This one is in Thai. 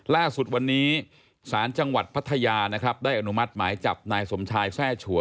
ล่าสุดวันนี้ศาลจังหวัดพัทยานะครับได้อนุมัติหมายจับนายสมชายแทร่ฉวย